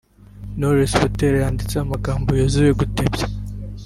Knowless Butera yanditse amagambo yuzuye gutebya